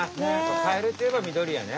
カエルっていえばみどりやね。